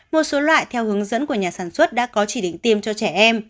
một số loại theo hướng dẫn của nhà sản xuất đã có chỉ định tiêm cho trẻ em